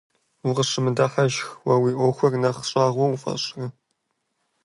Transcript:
Укъысщымыдыхьашх, уэ уи ӏуэхур нэхъ щӏагъуэ уфӏэщӏрэ?